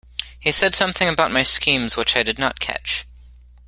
He said something about my schemes which I did not catch.